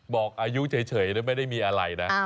บอกอายุเฉยไม่ได้มีอะไรนะ